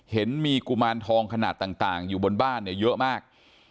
เห็นมีกุมารทองขนาดต่างอยู่บนบ้านเนี่ยเยอะมาก